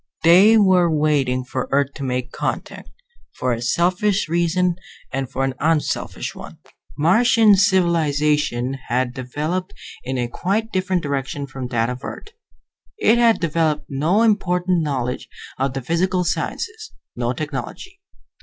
They were waiting for Earth to make contact, for a selfish reason and for an unselfish one. Martian civilization had developed in a quite different direction from that of Earth. It had developed no important knowledge of the physical sciences, no technology.